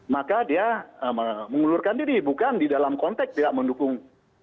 maka dia mengundurkan diri bukan di dalam konteks tidak mendukung